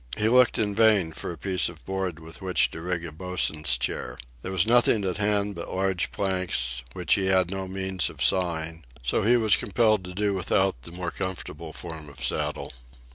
He looked in vain for a piece of board with which to rig a "boatswain's chair." There was nothing at hand but large planks, which he had no means of sawing, so he was compelled to do without the more comfortable form of saddle.